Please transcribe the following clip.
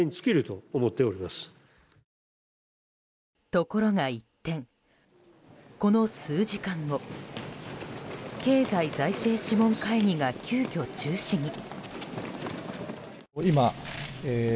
ところが一転、この数時間後経済財政諮問会議が急きょ、中止に。